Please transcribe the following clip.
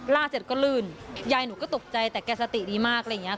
เสร็จก็ลื่นยายหนูก็ตกใจแต่แกสติดีมากอะไรอย่างเงี้